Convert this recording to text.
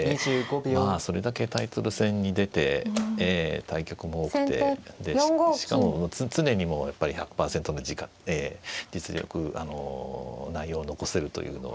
まあそれだけタイトル戦に出て対局も多くてでしかも常にもうやっぱり１００％の実力内容を残せるというのは。